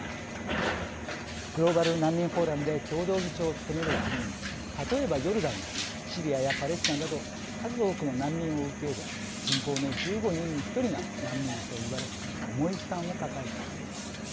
グローバル難民フォーラムで共同議長を務める国々例えばヨルダンはシリアやパレスチナなど数多くの難民を受け入れ人口の１５人に１人が難民と言われ重い負担を抱えています。